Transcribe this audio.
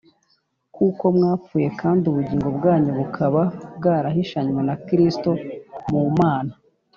kuko mwapfuye kandi ubugingo bwanyu bukaba bwarahishanywe na Kristo mu Mana